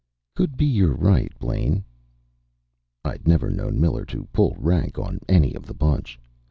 "Could be you're right, Blaine." I'd never known Miller to pull rank on any of the bunch.